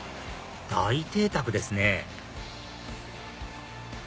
大邸宅ですね